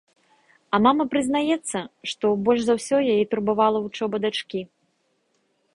А мама прызнаецца, што больш за ўсё яе турбавала вучоба дачкі.